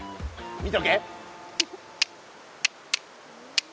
見とけ。